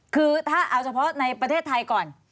คือถ้าเอาเฉพาะในประเทศไทยก่อน